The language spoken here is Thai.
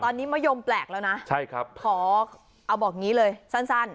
ตอนนี้มะยมแปลกแล้วนะใช่ครับขอเอาบอกงี้เลยสั้นสั้น